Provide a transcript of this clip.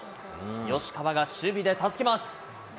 吉川が守備で助けます。